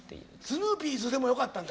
スヌーピーズでもよかったんだ？